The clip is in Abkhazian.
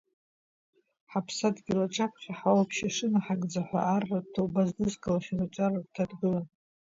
Ҳаԥсадгьыл аҿаԥхьа ҳуалԥшьа шынаҳагӡо ҳәа арратә ҭоуба здызкылахьаз аҿар рыгәҭа дгылан.